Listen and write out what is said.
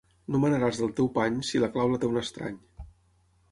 No manaràs del teu pany, si la clau la té un estrany.